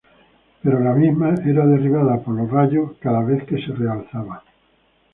Pero la misma fue derribada por los rayos cada vez que fue realzada.